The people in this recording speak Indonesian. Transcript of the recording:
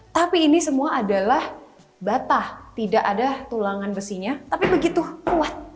tapi ini semua adalah batah tidak ada tulangan besinya tapi begitu kuat